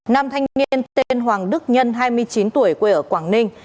nam thanh niên tên hoàng đức nhân hai mươi chín tuổi quê ở quảng ninh